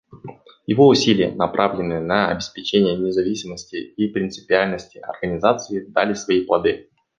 Его усилия, направленные на обеспечение независимости и принципиальности Организации, дали свои плоды.